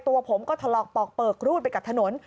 ตัวผมก็ถลอกปอกเปลือกรูดไปกับถนน